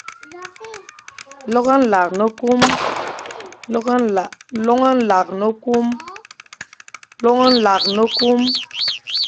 Loñ nlakh ne-koom.